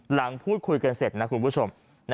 หลังพูดคุยกันเสร็จนะคุณผู้ชม